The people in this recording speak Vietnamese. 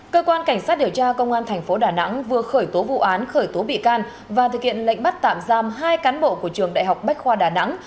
cơ quan cảnh sát điều tra công an thành phố đà nẵng vừa khởi tố vụ án khởi tố bị can và thực hiện lệnh bắt tạm giam hai cán bộ của trường đại học bách khoa đà nẵng